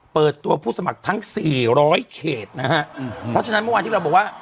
เปิดตัวผู้สมัครทั้งสี่ร้อยเขตนะฮะเพราะฉะนั้นเมื่อวานที่เราบอกว่า